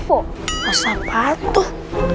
oh sama patuh